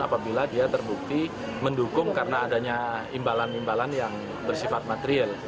apabila dia terbukti mendukung karena adanya imbalan imbalan yang bersifat material